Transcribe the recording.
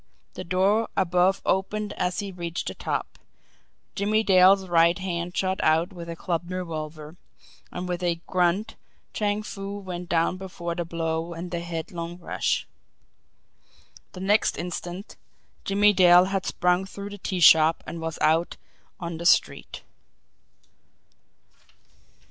The door above opened as he reached the top Jimmie Dale's right hand shot out with clubbed revolver and with a grunt Chang Foo went down before the blow and the headlong rush. The next instant Jimmie Dale had sprung through the tea shop and was out on the street.